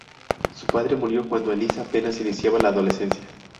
Su padre murió cuando Eliza apenas iniciaba la adolescencia.